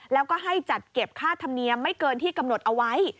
แล้วก็ให้จัดเก็บค่าธรรมเนียมไม่เกินที่กำหนดเอาไว้